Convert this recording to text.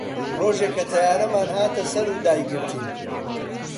ڕۆژێ کە تەیارەمان هاتە سەر و دایگرتین